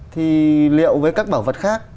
thì liệu với các bảo vật khác